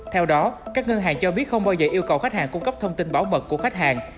theo đó các ngân hàng cho biết không bao giờ yêu cầu khách hàng cung cấp thông tin bảo mật của khách hàng